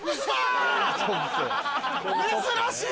珍しい！